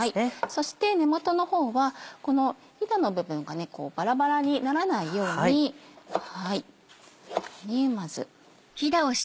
そして根元の方はこのヒダの部分がバラバラにならないようにこのようにまず。